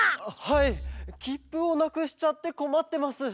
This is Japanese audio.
はいきっぷをなくしちゃってこまってます。